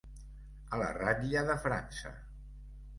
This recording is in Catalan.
A la ratlla de França.